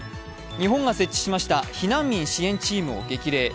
日本が設置しました避難民支援チームを激励。